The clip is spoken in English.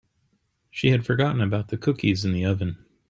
She had forgotten about the cookies in the oven.